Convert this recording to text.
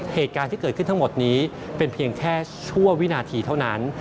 เหตุการณ์ที่เกิดขึ้นทั้งหมดนี้เป็นเพียงแค่ชั่ววินาทีเท่านั้น